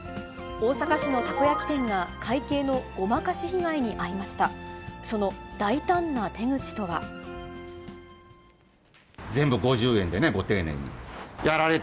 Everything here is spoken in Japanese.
大阪市のたこ焼き店が、会計のごまかし被害に遭いました。